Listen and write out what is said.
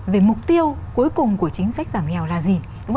về mục tiêu cuối cùng của chính sách giảm nghèo là gì